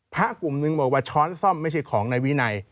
พระกลุ่มหนึ่งบอกว่าช้อนซ่อมไม่ใช่ของนายวินัย